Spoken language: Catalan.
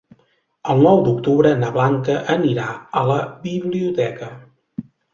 El nou d'octubre na Blanca anirà a la biblioteca.